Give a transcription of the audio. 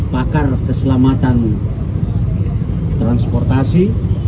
pakar keselamatan transportasi